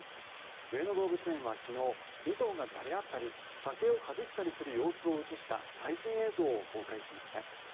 上野動物園は昨日２頭がじゃれ合ったり竹をかじったりする様子を映した最新映像を公開しました。